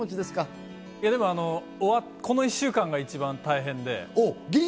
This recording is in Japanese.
この１週間が一番大変で。